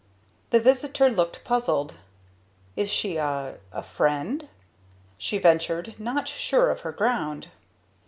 The visitor looked puzzled. "Is she a a friend?" she ventured, not sure of her ground.